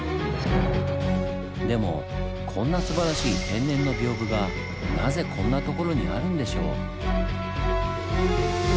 でもこんなすばらしい天然の屏風がなぜこんな所にあるんでしょう？